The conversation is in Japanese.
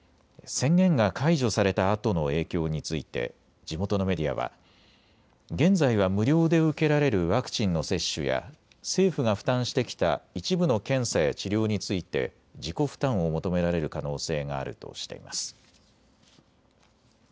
宣言が解除されたあとの影響について地元のメディアは現在は無料で受けられるワクチンの接種や政府が負担してきた一部の検査や治療について自己負担を求められる可能性があるとしています。